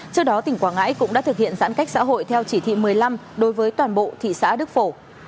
trước đó tỉnh quảng ngãi cũng đã thực hiện giãn cách xã hội theo chỉ thị một mươi năm đối với toàn bộ thị xã đức phổ